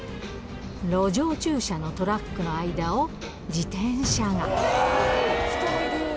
路上駐車のトラックの間を、自転車が。